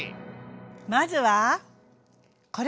まずはこれ！